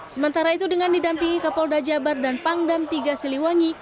sementara itu dengan didampingi kapolda jabar dan pangdam tiga siliwangi